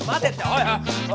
おい！